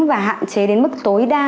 và hạn chế đến mức tối đa